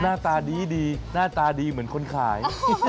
หน้าตาดีหน้าตาดีเหมือนคนขาย